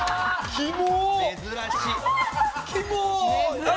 キモ！